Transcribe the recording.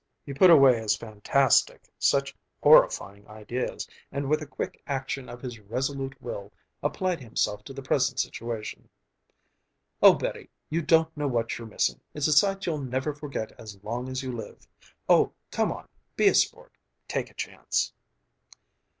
He put away as fantastic such horrifying ideas, and with a quick action of his resolute will applied himself to the present situation. "Oh Betty, you don't know what you're missing! It's a sight you'll never forget as long as you live... oh, come on! Be a sport. Take a chance!"